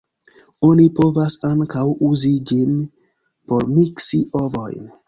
Oni povas ankaŭ uzi ĝin por miksi ovojn.